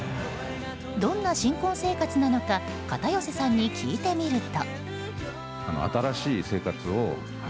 どんな新婚生活なのか片寄さんに聞いてみると。